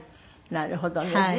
なるほどね。